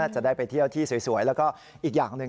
จะได้ไปเที่ยวที่สวยแล้วก็อีกอย่างหนึ่ง